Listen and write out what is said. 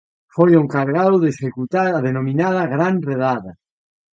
Foi o encargado de executar a denominada Gran Redada.